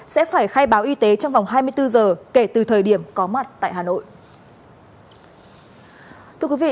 sẽ phải khai báo y tế trong vòng hai mươi bốn giờ kể từ thời điểm có mặt tại hà nội